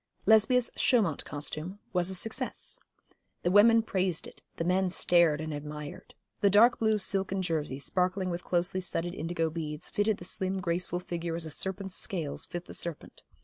Lesbia's Chaumount costume was a success. The women praised it, the men stared and admired. The dark blue silken jersey, sparkling with closely studded indigo beads, fitted the slim graceful figure as a serpent's scales fit the serpent.